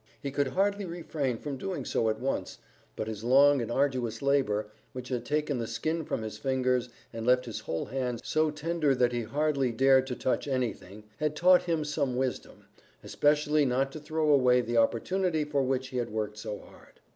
He could hardly refrain from doing so at once, but his long and arduous labour, which had taken the skin from his fingers and left his whole hands so tender that he hardly dared to touch anything, had taught him some wisdom, especially not to throw away the opportunity for which he had worked so hard.